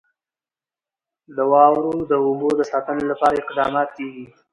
د واورو د اوبو د ساتنې لپاره اقدامات کېږي.